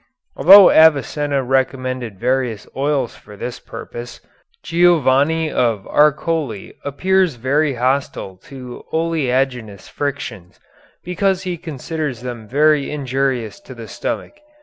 Although Avicenna recommended various oils for this purpose, Giovanni of Arcoli appears very hostile to oleaginous frictions, because he considers them very injurious to the stomach.